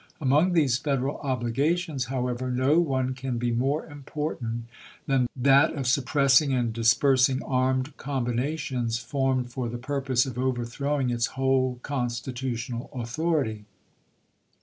Among these Federal obligations, however, no one can be more important than that of suppressing and dispersing armed combinations formed for the purpose of overthrow ing its whole constitutional authority.